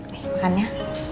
nih makan ya